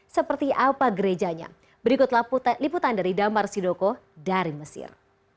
seperti apa gerejanya berikutlah liputan dari damar sidoko dari mesir